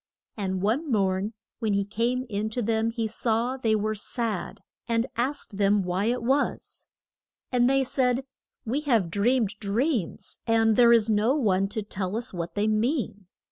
And one morn when he came in to them he saw they were sad, and asked them why it was. And they said, We have dreamed dreams, and there is no one to tell us what they mean.